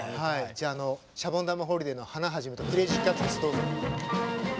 じゃああの「シャボン玉ホリデー」のハナ肇とクレイジーキャッツですどうぞ。